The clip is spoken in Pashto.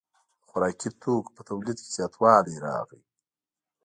د خوراکي توکو په تولید کې زیاتوالی راغی.